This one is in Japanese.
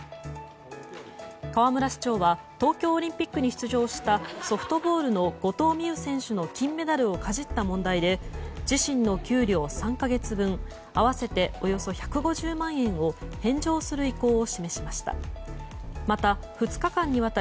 河村市長は東京オリンピックに出場したソフトボールの後藤希友選手の金メダルをかじった問題で自身の給料３か月分合わせておよそ１５０万円を返上する意向を示しました。